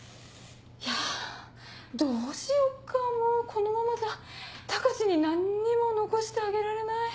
いやどうしよっかもうこのままじゃ高志に何にも残してあげられない。